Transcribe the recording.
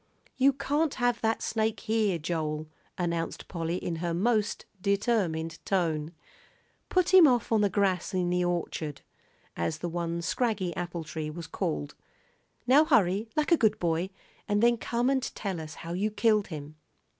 "You can't have that snake here, Joel," announced Polly, in her most determined tone. "Put him off on the grass in the orchard," as the one scraggy apple tree was called. "Now hurry, like a good boy, and then come and tell us how you killed him."